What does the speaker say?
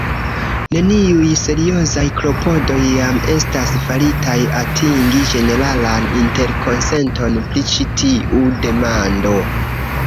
Neniuj seriozaj klopodoj jam estas faritaj atingi ĝeneralan interkonsenton pri ĉi tiu demando.